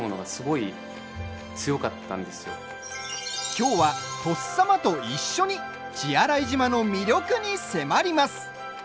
きょうは、とっさまと一緒に血洗島の魅力に迫ります。